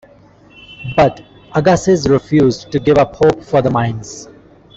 But Agassiz refused to give up hope for the mines.